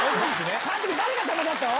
監督誰が邪魔だったの？